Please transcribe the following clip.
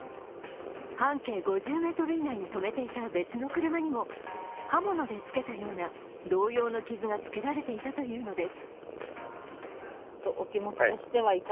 半径５０ｍ以内に止めていた別の車にも刃物でつけたような同様の傷がつけられていたというのです。